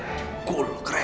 makan ini dulu biar keren